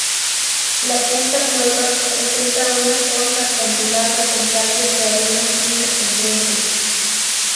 La Punta Cuevas presenta una costa acantilada con playas de arena fina enfrente.